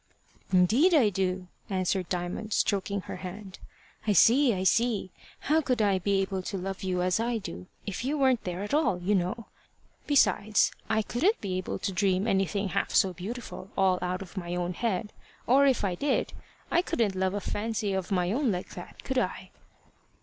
"Indeed I do," answered Diamond, stroking her hand. "I see! I see! How could I be able to love you as I do if you weren't there at all, you know? Besides, I couldn't be able to dream anything half so beautiful all out of my own head; or if I did, I couldn't love a fancy of my own like that, could I?"